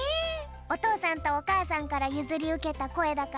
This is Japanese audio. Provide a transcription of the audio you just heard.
おとうさんとおかあさんからゆずりうけたこえだからね。